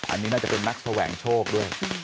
อันนี้น่าจะเป็นนักแสวงโชคด้วย